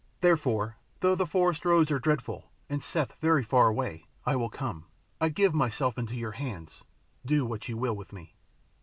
Therefore, though the forest roads are dreadful, and Seth very far away, I will come; I give myself into your hands. Do what you will with me."